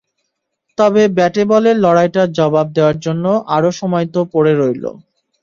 তবে ব্যাটে-বলের লড়াইটার জবাব দেওয়ার জন্য আরও সময় তো পড়ে রইল।